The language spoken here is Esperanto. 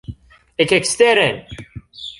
Ekeksteren!